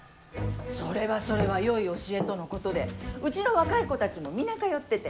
それはそれはよい教えとのことでうちの若い子たちも皆通ってて。